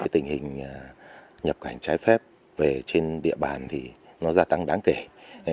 tình hình nhập cảnh trái phép về trên địa bàn thì nó gia tăng đáng kể